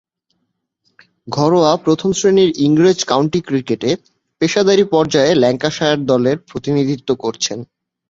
ঘরোয়া প্রথম-শ্রেণীর ইংরেজ কাউন্টি ক্রিকেটে পেশাদারী পর্যায়ে ল্যাঙ্কাশায়ার দলের প্রতিনিধিত্ব করেছেন।